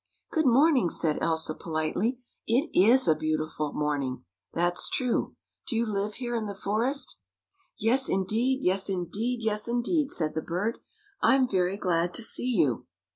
"" Good morning," said Elsa politely. " It is a lovely morning, that's true. Do you live here in the forest? " "Yes, indeed! yes, indeed! yes, indeed!" said the bird. "I'm very glad to see you."